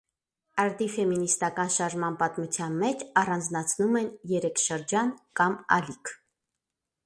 Արդի ֆեմինիստական շարժման պատմության մեջ առանձնացնում են երեք շրջան կամ «ալիք»։